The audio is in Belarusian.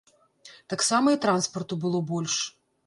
Таксама і транспарту было больш.